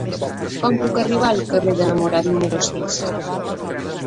Com puc arribar al carrer dels Enamorats número sis?